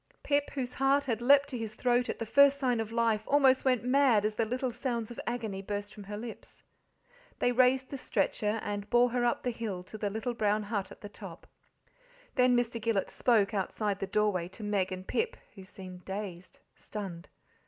Pip, whose heart had leapt to his throat at the first sign of life, almost went mad as the little sounds of agony burst from her lips. They raised the stretcher, and bore her up the hill to the little brown hut at the top. Then Mr. Gillet spoke, outside the doorway, to Meg and Pip, who seemed dazed, stunned.